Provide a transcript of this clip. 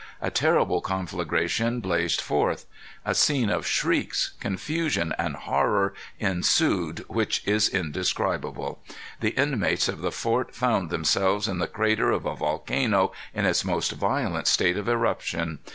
A terrible conflagration blazed forth. A scene of shrieks, confusion, and horror ensued which is indescribable. The inmates of the fort found themselves in the crater of a volcano in its most violent state of eruption.